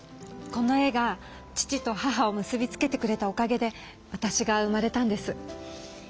この絵が父と母を結び付けてくれたおかげでわたしが生まれたんです。